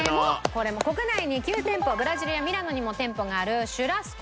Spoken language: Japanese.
これも国内に９店舗ブラジルやミラノにも店舗があるシュラスコ